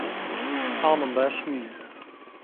حاڵم باش نییە.